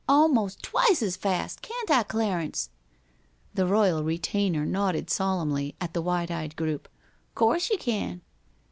Almost twice as fast! Can't I, Clarence?" The royal retainer nodded solemnly at the wide eyed group. "Course you can!"